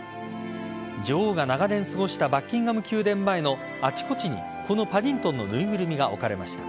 女王が長年過ごしたバッキンガム宮殿前のあちこちにこのパディントンの縫いぐるみが置かれました。